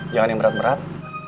jangan yang berat berat